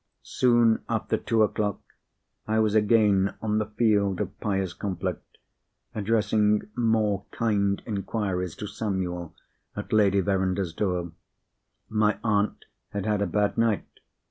Soon after two o'clock I was again on the field of pious conflict, addressing more kind inquiries to Samuel at Lady Verinder's door. My aunt had had a bad night.